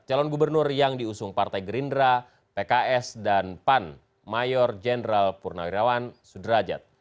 calon gubernur yang diusung partai gerindra pks dan pan mayor jenderal purnawirawan sudrajat